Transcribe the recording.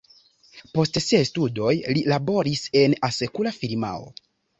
Post siaj studoj li laboris en asekura firmao.